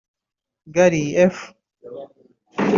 Garry F